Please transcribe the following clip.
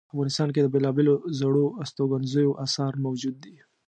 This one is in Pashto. افغانستان کې د بیلابیلو زړو استوګنځایونو آثار موجود دي